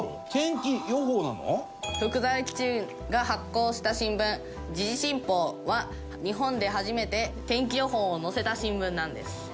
福沢諭吉が発行した新聞『時事新報』は日本で初めて天気予報を載せた新聞なんです。